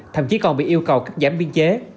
thậm chí còn bị yêu cầu cắt giảm biên chế